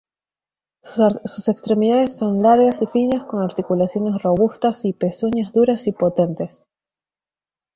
Sus extremidades son largas y finas con articulaciones robustas y pezuñas duras y potentes.